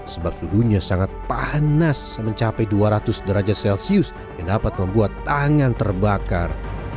sebab suhunya sangat panas mencapai dua ratus derajat celcius yang dapat membuat tangan terbakar